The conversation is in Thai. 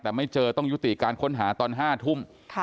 แต่ไม่เจอต้องยุติการค้นหาตอน๕ทุ่ม